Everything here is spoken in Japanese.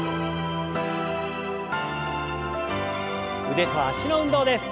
腕と脚の運動です。